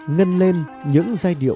ngân lên những giai điệu